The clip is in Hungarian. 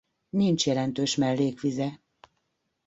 Nincs jelentős mellékvize.